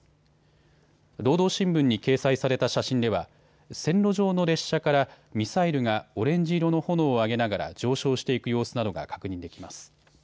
労働新聞に掲載された写真では線路上の列車からミサイルがオレンジ色の炎を上げながら上昇していく様子などが確認できます。